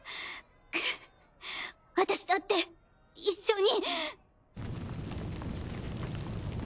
くっ私だって一緒に。